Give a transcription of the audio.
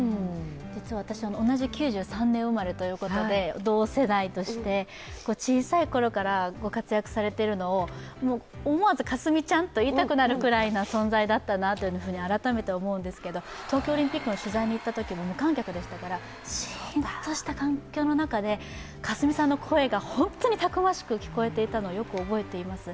私、同じ９３年生まれということで同世代として、小さいころからご活躍されているのをもう、思わず佳純ちゃんと言いたくなるくらい改めて思うんですけど、東京オリンピックの取材に行ったときも無観客でしたから、シーンとした環境の中で、佳純さんの声が本当にたくましく聞こえていたのをよく覚えています。